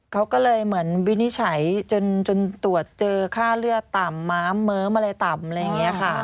เขาก็เลยเหมือนวินิจฉัยจนตรวจเจอค่าเลือดต่ำม้ามเมิ้มอะไรต่ำอะไรอย่างนี้ค่ะ